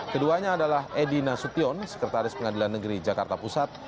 keduanya adalah edi nasution sekretaris pengadilan negeri jakarta pusat